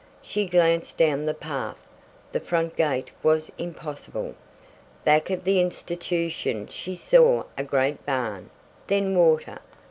She glanced down the path. The front gate was impossible. Back of the institution she saw a great barn then water!